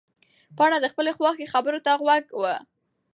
پاڼه د خپلې خواښې خبرو ته غوږ وه.